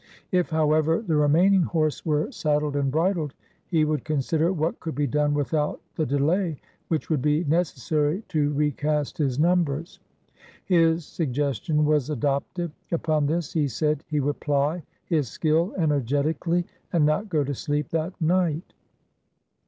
If, however, the remaining horse were saddled and bridled, he would consider what could be done without the delay which would be necessary to recast his numbers. His suggestion was adopted. Upon this he said he would ply his skill energetically and not go to sleep that night.